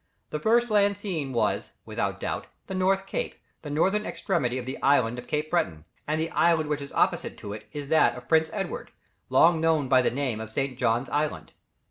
The first land seen was, without doubt, the North Cape, the northern extremity of the island of Cape Breton, and the island which is opposite to it is that of Prince Edward, long known by the name of St. John's Island.